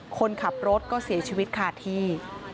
คนขับรถก็เสียชีวิตคาที่